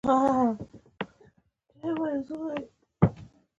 په دغه تصویر کې د افغانستان جنازه لیدل کېږي.